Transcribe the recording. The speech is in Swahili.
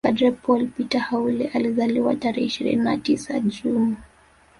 Padre Paul Peter Haule alizaliwa tarehe ishirini na tisa juni